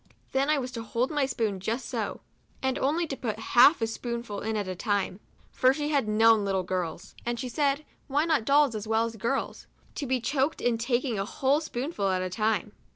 Then I was to hold my spoon just so, and only to put half a spoonful in at a time, for she had known little girls (and she said, why not dolls as well as girls?) to be choked in taking a whole spoonful at a time.